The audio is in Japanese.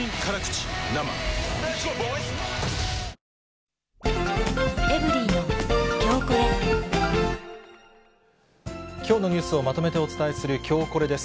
あきょうのニュースをまとめてお伝えする、きょうコレです。